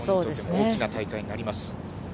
大きな大会になります。